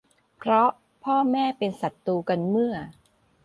เพราะพ่อแม่เป็นศัตรูกันเมื่อ